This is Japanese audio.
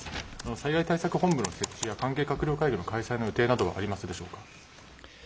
災害対策本部の設置や、関係閣僚会議の開催の予定などはありますでしょうか。